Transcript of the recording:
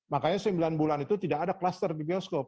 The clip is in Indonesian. makanya sembilan bulan itu tidak ada kluster di bioskop